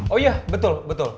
oh iya betul betul